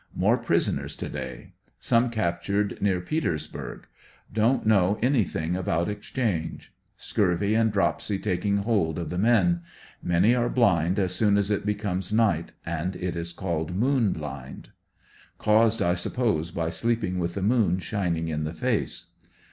More prisoners to day. Some captured near Peters ANDER80NVILLE DIABT, / 49 burg. Dont know anything about exchange. Scurvy and dropsy taking hold of the men. Many are blind as soon as it becomes night, and it is called moon blind. Caused, I suppose, by sleeping with the moon shining in the face.